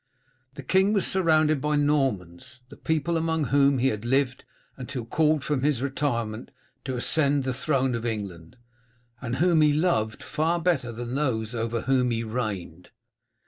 The King was surrounded by Normans, the people among whom he had lived until called from his retirement to ascend the throne of England, and whom he loved far better than those over whom he reigned.